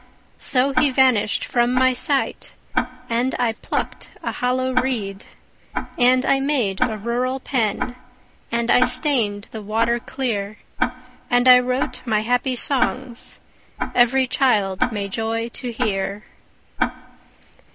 So he vanished from my sight; And I plucked a hollow reed, And I made a rural pen, And I stained the water clear, And I wrote my happy songs Every child may joy to hear.